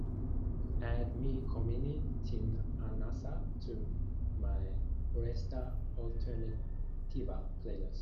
add Me Kommeni Tin Anasa to my propuesta alternativa playlist